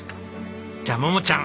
じゃあ桃ちゃん